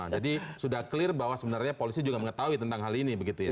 jadi sudah clear bahwa sebenarnya polisi juga mengetahui tentang hal ini begitu ya